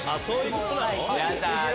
そういうことなの？